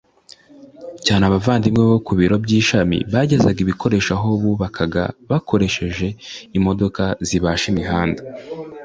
Cyane abavandimwe bo ku biro by ishami bagezaga ibikoresho aho bubakaga bakoresheje imodoka zibasha imihanda